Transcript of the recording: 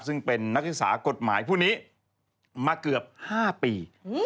ซึ่งเป็นนักศึกษากฎหมายผู้นี้มาเกือบ๕ปี